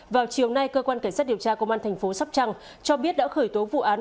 vào chiều nay cơ quan cảnh sát điều tra công an thành phố sắp trăng cho biết đã khởi tố vụ án